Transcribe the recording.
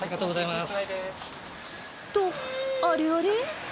と、あれあれ？